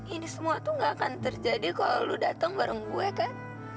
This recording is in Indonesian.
ini semua tuh gak akan terjadi kalau lu datang bareng gue kan